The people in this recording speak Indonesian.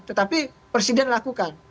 tetapi presiden lakukan